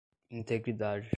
integridade